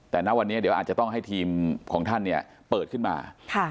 แต่ณวันนี้เดี๋ยวอาจจะต้องให้ทีมของท่านเนี่ยเปิดขึ้นมา